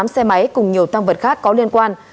tám xe máy cùng nhiều tăng vật khác có liên quan